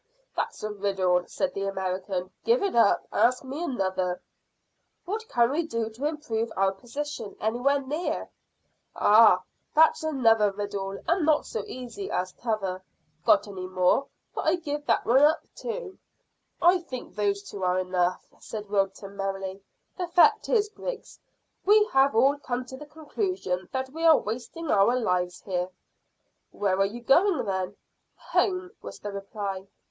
"Hum! That's a riddle," said the American. "Give it up. Ask me another." "What can we do to improve our position anywhere near?" "Hah! That's another riddle, and not so easy as t'other. Got any more, for I give that one up too." "I think those two are enough," said Wilton merrily. "The fact is, Griggs, we have all come to the conclusion that we are wasting our lives here." "Where are you going, then?" "Home," was the reply.